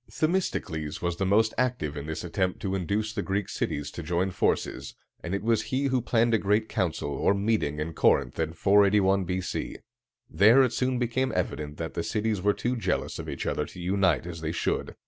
Themistocles was the most active in this attempt to induce the Greek cities to join forces, and it was he who planned a great council, or meeting, at Corinth, in 481 B.C. There it soon became evident that the cities were too jealous of each other to unite as they should.